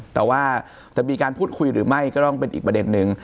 แต่ว่าจะมีการพูดคุยหรือไม่ก็ต้องเป็นอีกประเด็นนึง